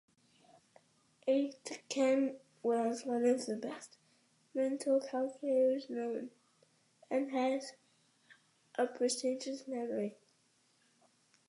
Aitken was one of the best mental calculators known, and had a prodigious memory.